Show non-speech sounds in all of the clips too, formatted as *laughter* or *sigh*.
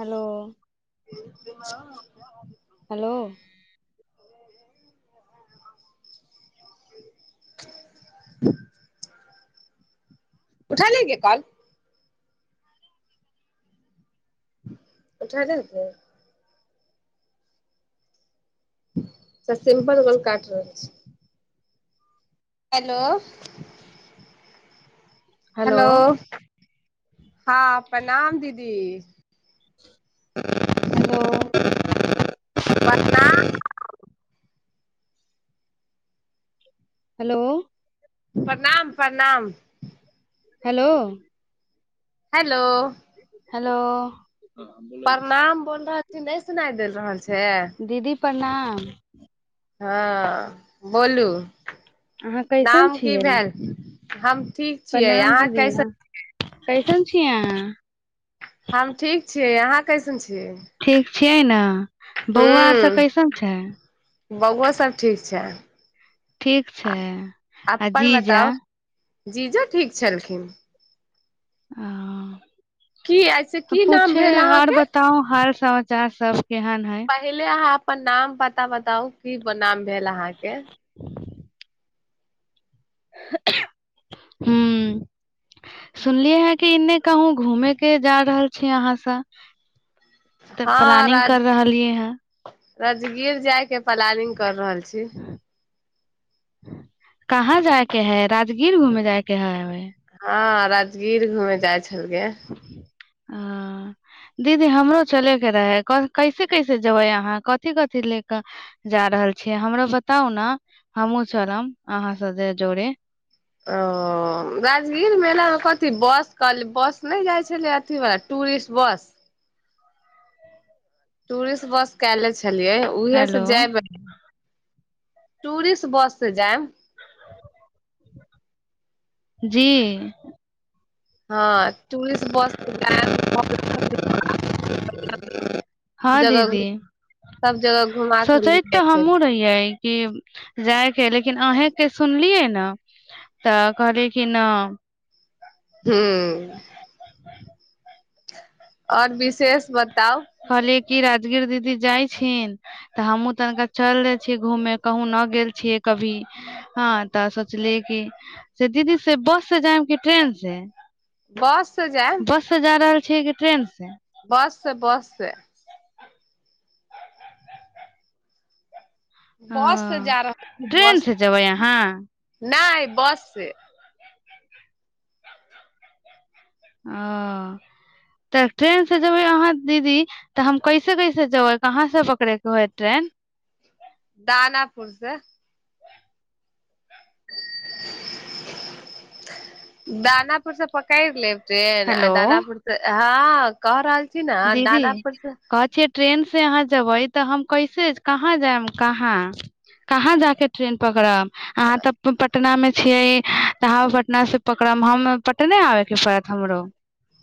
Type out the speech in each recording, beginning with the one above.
hello हँ hello उठा लेंगे कल उठाज रुपए त सिम्पल गोल कटर छै हेलो हेलो हँ प्रणाम दीदी *inaudible* ह त परण *unintelligible* हेलो प्रणाम प्रणाम हेलो हेलो हेलो प्रणाम बो सना सुनाय देल रहल छै छै दीदी प्रणाम हँ बोलू अहाँ कैसन नाम की छियै भेल हम ठीक छियै अहाँ कैसे कै सुन छिय हम ठीक छीियै अहााँ कैसन छी जी ठीक छियै ने बौआ आर सब कैसन छै बौओ सब ठीक छै ठीक छै आ जीजा जी जो ठीक छलखिन की ऐसे आ की नाम पूछे भेल आओर बताउ हाल समझ चा सब केहन है पहिल ह अपन नाम पता बताउ की नाम भेल अहाँके ह सुनलियै हे कि एने कहूँ घूमे के जा रहल छी अहाँसँ तऽ हँ प्लानिंग राज कर रहलियै हं राजगीर जाइके प्लानिंग कर रहल छी कहाँ जायके है राजगीर घूमे जायके है हँ राजगीर घुमे जाइ छै हेलग ह दीदी हमरो चलेके रहै कैसे कैसे जेबै अहाँ कथिी कथिी ले कऽ जा रहल छियै हमरो बताउ ने हमहूँ चलब अहाँसँ जे जोड़े ओ राजगीर मेलामे कथी बस कहलै बस नहि जाइ छलै अथीवला टूरिस्ट बस टूरिस्ट बस के छै छलियै उह से हेलो जायबै टूुरसट बस से जाय जी हँ स् बस हँ जगह दीदी सब जगह घुमा के ले सचैत तऽ जायके हमहुँ रहियै कि जाइ लेकिन अहें के सुनलियै तऽ कहली कि न हू आओर विशेष ब खली क राजगीर दीदी जाइथिन तऽ हमहुूँ तनिका चल जाय छियै घूमे कहूँ न गेल छियै कभी हँ तऽ सोचलियै कि से दीदी से बस से जायम कि ट्रेन से बस तऽ जाय छै कि ट्रेनसँ बस छै बस छै ओ बस से जा रह ट्रेन बस से जेबै अहाँ नहि बस से ओ तऽ ट्रेन से जेबै अहाँ दीदी तऽ हम कैसे कैसे जेबै कहाँसँ पकड़ैके हइ ट्रेन दानाापुरसँ दानाापुरसँ पक क लै टन हेलो दानापुरत हँ क रहल छी ने दीदी दानापुर से कहै छियै ट्रेन से अहाँ जेबै तऽ हम कैसे कहाँ जायब कहाँ कहाँ जााके ट्रेन पकड़ब हह त पटना मे छियै तऽ पटना से पकड़ब हम पटने आबे के पड़त हमरो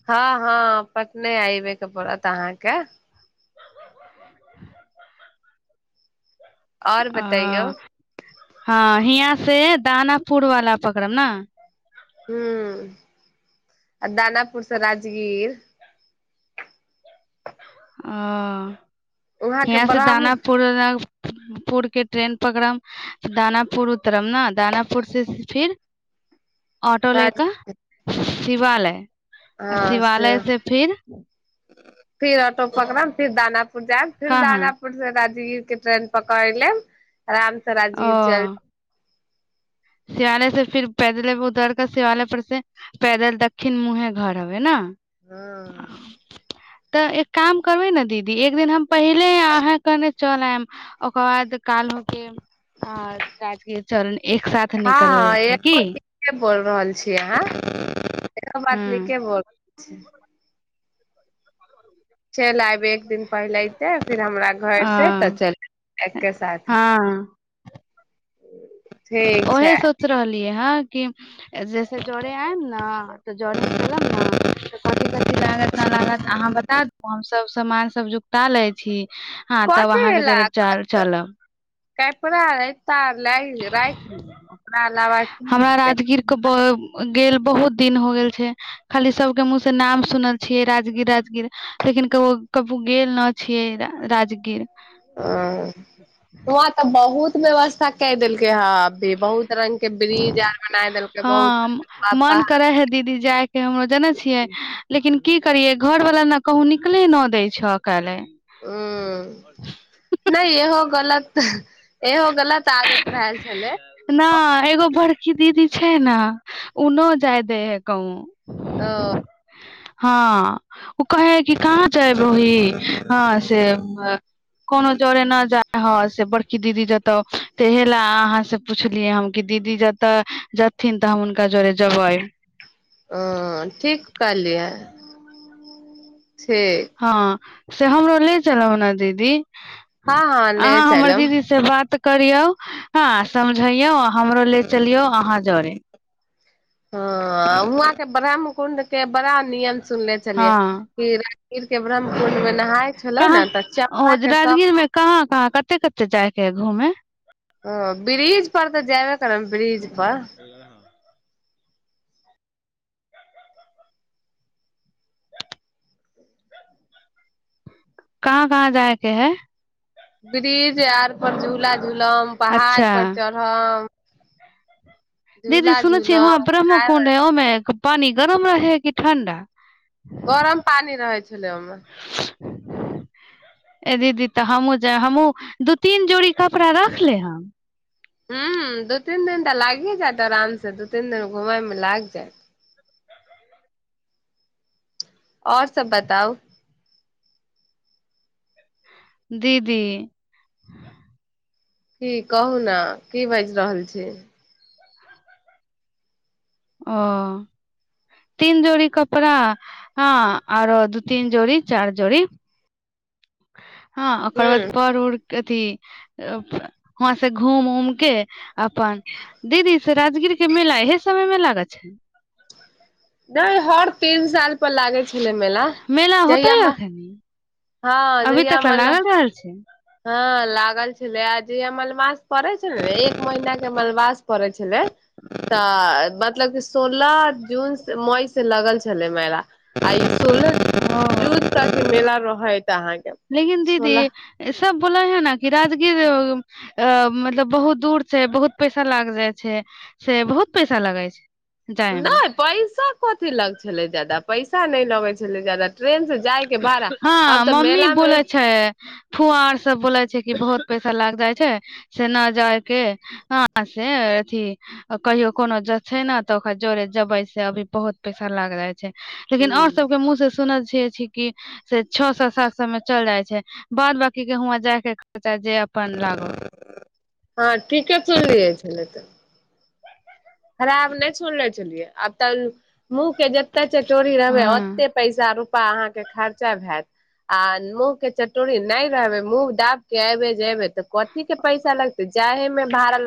हँ हँ पटने आइ े के पड़त अहाँके आओर बतैयौ ओ हँ हिियाँ से दानाापुर वालला पकड़ब ने हू आ दानाापुरसँ राजगीर वहाँ ह हि के से दाना ब्रह्म पुर पुरके ट्रेन पकड़ब दानापुर उतरब ने दानापुर से फिर ऑटो ले राज कऽ शिवालय आ शिवालय से फिर ह फिर ऑटो पकड़ फिर दाना जा फिर कहाँ जाना पुर ई कट पकाल राम त राजगीर चल ओ शिवालय से फिर पैदले उधर क शिवालय पर से पैदल दक्षिण मुँहे घर हबै ने हँ तऽ एक काम करबै ने दीदी एक दिन हम पहिले अहाँ कने चलयम ओकर बाद काल हो के राजी चरण एक साथ निकल हँ के की हँ के बोल रहल छी अहाँ एहो बात न हँ के बोल छै च ल आबै दिन पहिले यते फिर हमरा घर से तऽ अ चलके साथ हँ ठीक छै ओहे सोच रहलियै हँ जैसे जरे आयल ने त जरे ख ने कथ कथ लागत न लागत अहाँ बता द हम सब सामान सब जुकता ले छी हँ तब कॉथ य अहाँके ल जरे चल चलब क पै ल राख ककरा लवा हमरा की राजगीर के गेल बहुत दिन हो गेल छै खाली सब के मुह से नाम सुनल छियै राजगीर राजगीर लेकिन क कबू गेल न छियै राजगीर ह न तऽ बहुत व्यस्थाेाइै ह अभी बहुत रंगग के ब्रिज आर बना देलकै बहुत हँ र प मन करे है दीदी जाय के हमरो जानै छियै लेकिन की करियऐ घर वला ने कहु निकले न दै छकाल्हि ह नहि इहो गलत एहो गलत सादत भेलए छलै ी दीदी छै ने उऊनो जाय दै है कहु आ हँ ओ कहे है कि कहाँ जाय बही हँ से कोनो जरे न जाय ह से बड़की दीदी जतऽ तह लए अहाँ से पुछलियै हम कि दीदी जतऽ जथिन तऽ हमु ओ ठीक कर इलिय हँ से हमरो ले चलहो ने दीदी हँ हँ ले अहाँ हमर चलब दीदी से बात करियौ हँ समझैयौ हमरो लेल चलियौ अहाँ जरे हँ हआँके ब्राम कन्दके बरा नियत्र सुनले छलियै हँ कि राजगीर के ब्रह्म कुण्डमे नहााय छले कहाँ ने तऽ ओ चमड़ा के सब के घूमे ओ ब्रिज पर तऽ जेबे करे ने ब्रिज पर ए हँ कहाँ कहाँ जायके है ब्रिज यार परर झूला घुलम पहाड़ अच्छा पर चढ़म दीदी झूला सुन छिहँ झूलम अपरामे कोड है ओ मै पानी गरम रहै किी ठण्डा गरम पानी रहै छलै ओहिमे ए दीदी तऽ हमहूँ जाय हमहूँ दू तीन जोड़ी कपड़ा रखले हम ह दू तीन दिन तऽ लागि जायइत आराम से दू तीन दिन घूमयमे लागि जायइत आओर सब बताउ दीदी की कहू ने की बाजि रहल छी ओ तीन जोड़ कपड़ा हँ आरो दू तीन जोड़ चारि जोड़ *unintelligible* हँ ओकर बाद ह पर उर अथी वहाँ से घूम उम के अपन दीदी से राजगीर के मेला इहे समय मे लाग *unintelligible* नहि हर तीन साल पर लागै छलै मेला मेला होतै जहियामे अखनी अभी तक तऽ लागल रहल छै हँ लागल छलै आ जे मल मास पड़ै छल ने एक महिीना के मलबास पड़ै छलै तऽ मतलब क सोलह जून मई से लगल छलै मेला आइ सोलह जूत त के मेला रह *unintelligible* लेकििन दीदी सब बोलाै है कीरााद कि अ मतलब बहुत दूर छै बहुत पैसा लाग जाइ छै से बहुत पैसा लगे छै जाय मे नहि पइसा कथी लग छलै जदाा पैसा नहि लगैत छलै जाादा हँ मम्मी मेला मे बोले छै फुआर सब बोले छै कि बहुत पैसा लाग जाइ छै से न जाय के ह से अथी कहियो कोनो छै ने तऽ ओकरा जोड़े जबे से अभी बहुत पैसा लाग जाइ छै लेकिन आऔर ह सबके मुँह से सुनल छियै छी कि से छओ सए सात सए मे चल जाइ छै बाद बकी के हआां जायके खचा जे अपन लाग हँ ठीके चललियै छल तऽ खराब नहि सुन ले छललियै आ त मुँह के जते चटोरी रहबै हँ ओते पैसा रूपा अहाँके खर्चा भत आ मुंह के चटोरी नहि रहबे मुह दाब के एबे जे एबे त कथी के पैसा लगते जाहे में भारत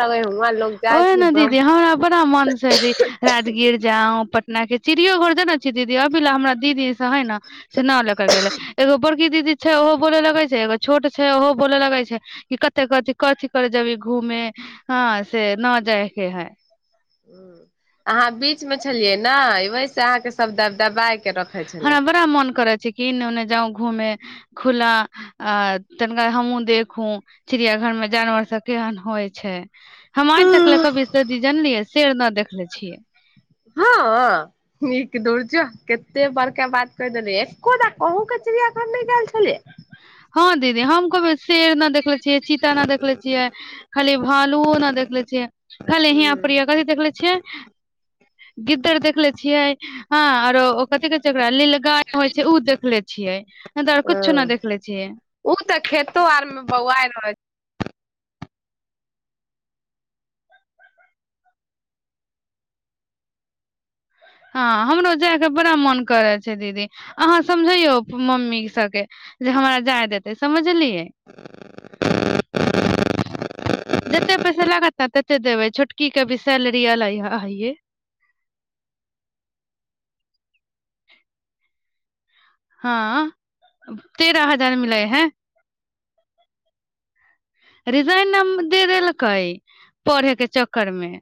ओह ने दीदी हमरा बड़रा मन जी राजगीर जा ग पटना के चिड़ियो घर जान छी दीदी अभी ला हमरा दीदी से है ने से न ले कर गेले एगो बड़की दीदी छै ओहो बोले लगे छै एगो छोट छै ओहो बोले लगे छै कि कते कथि कथिी करे जेबी घूमे हँ से न जाएके हइ अहाँ बीच मे छलियै ने वहि से अहाँके शद दबाइ के रखै छलै च कि ओन्ने जाउ घूमे खुला आ तनिका हमहूँ देखू चिड़िया घर मे जानवर सब केहन होइ छै हम आ तक ले छलै कभी सदी जनलियै सेर नहि देखले छियै हँ नीक दर छियो कते बड़का बात कहि देलियै एको द कहूँ के चिड़िया घर नहि गेल छलियै हँ दीदी हम कहबै शेर नहि देखले छियै चीता न देखले छियै खाली भालुओ न देखले छियै खाली अही प्रिय कथी तकल छै गिद्दार देखले छियै हँ आरो ओकति करा लीलगाय होइ छै देख ले छियै ह दरकछु ने ह देख ओ तऽ खेतो आर मे बौआइ रह छै हँ हमरो जायके बड़ा मोन करै छै दीदी अहाँ समझैौ मम्मी सभके जे हमरा जाय देतै समझलियै जतेक पैसा लागत ने तत देबै छोटकीके भी सैलरी हय हँ तेरह हजार मिलै है रिजाइन न दे देलकै पढ़े के चक्कर मे